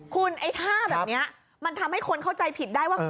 คุณไอ้ท่าแบบนี้มันทำให้คนเข้าใจผิดได้ว่า